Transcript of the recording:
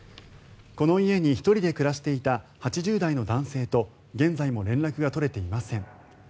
この家に１人で暮らしていた８０代の男性と現在も連絡が取れていません。